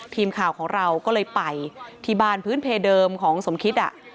ทีมข่าวของเราก็เลยไปที่บ้านพื้นเพเดิมของสมคิด